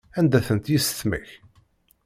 Anda-tent yissetma-k?